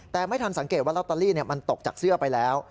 แต่ไม่ทันสังเกตว่าลอตเตอรี่มันตกจากเสื้อไปแล้ว